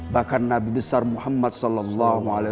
bahkan nabi besar muhammad